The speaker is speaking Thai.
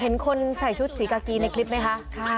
เห็นคนใส่ชุดสีกากีในคลิปไหมคะ